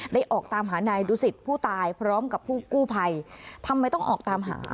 ออกตามหานายดูสิตผู้ตายพร้อมกับผู้กู้ภัยทำไมต้องออกตามหา